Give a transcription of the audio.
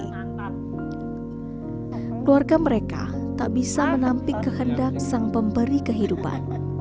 keluarga mereka tak bisa menampik kehendak sang pemberi kehidupan